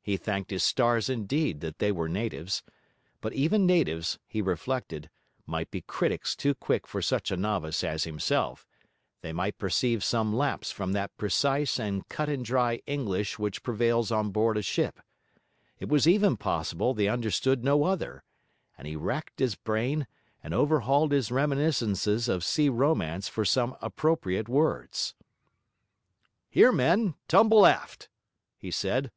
He thanked his stars indeed, that they were natives. But even natives, he reflected, might be critics too quick for such a novice as himself; they might perceive some lapse from that precise and cut and dry English which prevails on board a ship; it was even possible they understood no other; and he racked his brain, and overhauled his reminiscences of sea romance for some appropriate words. 'Here, men! tumble aft!' he said.